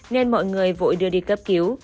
nên mọi người vội đưa đi cấp cứu